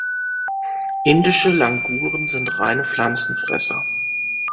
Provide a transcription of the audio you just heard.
Indischen Languren sind reine Pflanzenfresser.